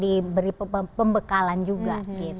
diberi pembekalan juga gitu